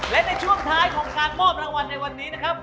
และในช่วงท้ายของการมอบรางวัลในวันนี้นะครับ